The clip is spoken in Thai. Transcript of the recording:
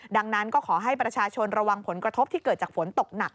ดังนั้นก็ขอให้ประชาชนระวังผลกระทบที่เกิดจากฝนตกหนัก